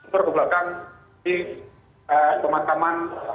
kemudian ke belakang di pemakaman rg